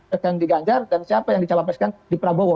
yang di gangjar dan siapa yang di cawapres kan di prabowo